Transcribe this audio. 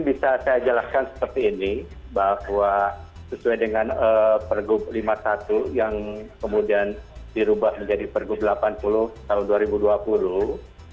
bisa saya jelaskan seperti ini bahwa sesuai dengan pergub lima puluh satu yang kemudian dirubah menjadi pergub delapan puluh tahun dua ribu dua puluh